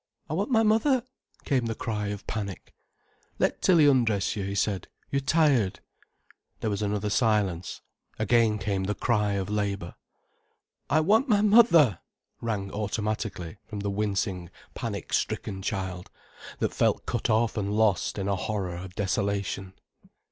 "I want my mother," came the cry of panic. "Let Tilly undress you," he said. "You're tired." There was another silence. Again came the cry of labour. "I want my mother," rang automatically from the wincing, panic stricken child, that felt cut off and lost in a horror of desolation.